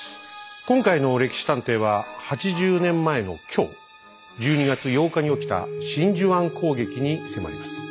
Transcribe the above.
今回の「歴史探偵」は８０年前の今日１２月８日に起きた真珠湾攻撃に迫ります。